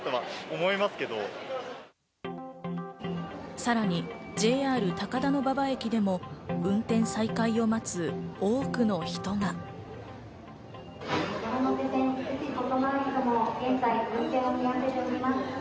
さらにＪＲ高田馬場駅でも運転再開を待つ多くの人が。